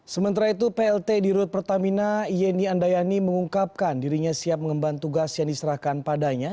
sementara itu plt di rut pertamina yeni andayani mengungkapkan dirinya siap mengemban tugas yang diserahkan padanya